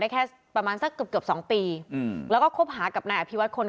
ได้แค่ประมาณสักเกือบ๒ปีแล้วก็คบหากับนายอภิวัติคน